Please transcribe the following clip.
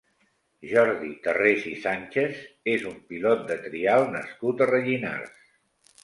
Jordi Tarrés i Sànchez és un pilot de trial nascut a Rellinars.